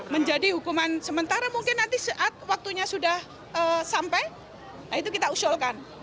menjadi hukuman sementara mungkin nanti saat waktunya sudah sampai itu kita usulkan